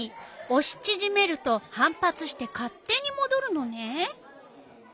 おしちぢめると反発して勝手にもどるのね。